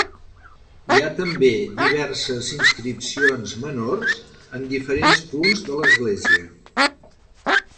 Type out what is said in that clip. Hi ha també diverses inscripcions menors en diferents punts de l'església.